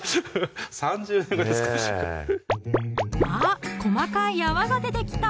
３０年後ですかええあっ細かい泡が出てきた